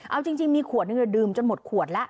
เอาจริงมีขวดนึงดื่มจนหมดขวดแล้ว